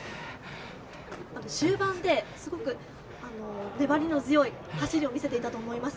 終盤で粘り強い走りを見せていたと思います。